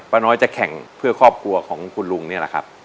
น้อยจะแข่งเพื่อครอบครัวของคุณลุงนี่แหละครับ